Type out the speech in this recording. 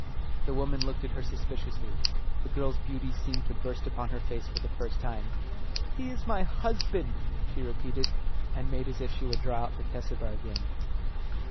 The woman looked at her suspiciously the girl's beauty seemed to burst upon her for the first time. "He is my husband," she repeated, and made as if she would draw out the Cesubah again.